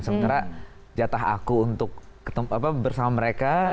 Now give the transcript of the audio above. sementara jatah aku untuk bersama mereka